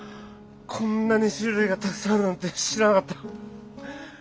こんなに種類がたくさんあるなんて知らなかった。